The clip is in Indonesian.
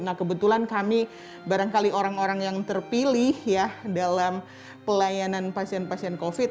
nah kebetulan kami barangkali orang orang yang terpilih ya dalam pelayanan pasien pasien covid